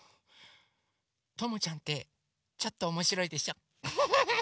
ともちゃんってちょっとおもしろいでしょフフフフ！